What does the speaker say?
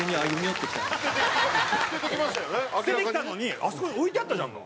捨ててきたのにあそこに置いてあったじゃんか。